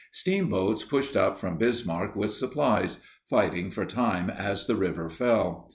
Steamboats pushed up from Bismarck with supplies, fighting for time as the river fell.